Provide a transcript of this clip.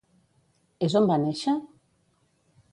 És on va néixer?